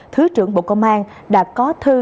thứ trưởng bộ công an đã có thư